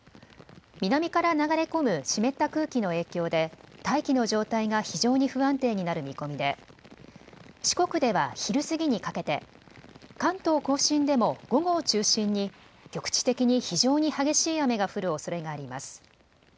南から流れ込む湿った空気の影響で大気の状態が非常に不安定になる見込みで四国では昼過ぎにかけて、関東甲信でも午後を中心に局地的に非常に激しい雨が降るおそれがあります。